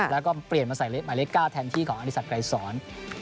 แล้วก็เปลี่ยนมาใส่หมายเลข๙แทนที่ของอธิสักไกรสอน